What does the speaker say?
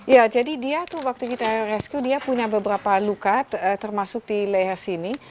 ya jadi dia tuh waktu kita rescue dia punya beberapa luka termasuk di leher sini